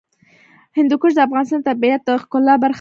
هندوکش د افغانستان د طبیعت د ښکلا برخه ده.